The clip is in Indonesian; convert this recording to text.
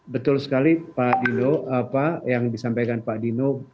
betul sekali pak dino apa yang disampaikan pak dino